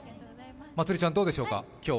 まつりちゃん、今日はどうでしょうか？